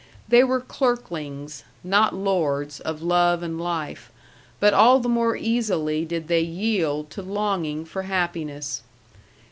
They were clerklings, not lords of love and life, but all the more easily did they yield to longing for happiness.